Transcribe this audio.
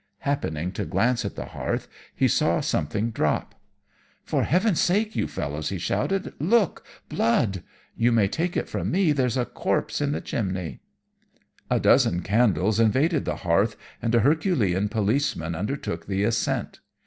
Happening to glance at the hearth he saw something drop. "'For Heaven's sake, you fellows!' he shouted. 'Look! Blood! You may take it from me there's a corpse in the chimney.' "A dozen candles invaded the hearth, and a herculean policeman undertook the ascent.